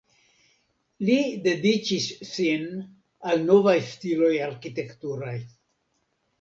Li dediĉis sin al novaj stiloj arkitekturaj.